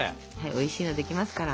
おいしいのできますから。